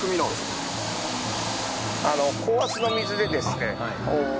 高圧の水でですね